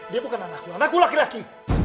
dia bukan anakku anakku laki laki